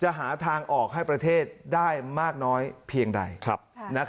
หาทางออกให้ประเทศได้มากน้อยเพียงใด